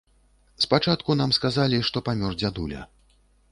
Спачатку нам сказалі, што памёр дзядуля.